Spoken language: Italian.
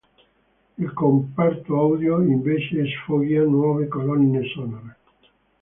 Il comparto audio, invece, sfoggia nuove colonne sonore.